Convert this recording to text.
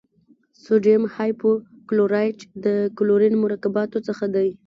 سوډیم هایپو کلورایټ د کلورین مرکباتو څخه دی.